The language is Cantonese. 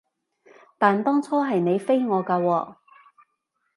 但當初係你飛我㗎喎